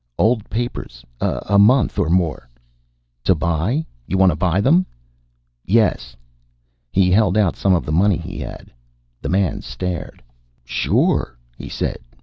"Old papers. A month. Or more." "To buy? You want to buy them?" "Yes." He held out some of the money he had. The man stared. "Sure," he said.